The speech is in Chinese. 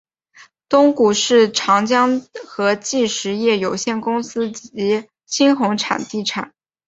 股东是长江和记实业有限公司及新鸿基地产。